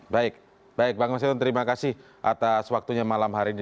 baik baik bang mas hinton terima kasih atas waktunya malam hari ini